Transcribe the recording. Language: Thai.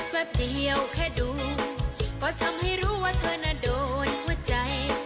แป๊บเดียวแค่ดูก็ทำให้รู้ว่าเธอน่ะโดนหัวใจ